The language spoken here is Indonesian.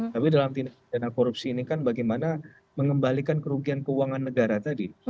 tapi dalam tindak pidana korupsi ini kan bagaimana mengembalikan kerugian keuangan negara tadi